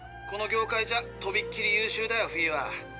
この業界じゃとびっきり優しゅうだよフィーは。